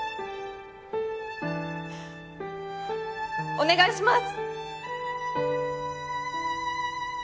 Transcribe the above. お願いします！